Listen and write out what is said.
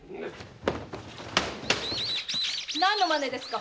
何の真似ですか？